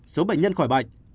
một số bệnh nhân khỏi bệnh